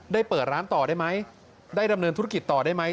เปิดร้านต่อได้ไหมได้ดำเนินธุรกิจต่อได้ไหม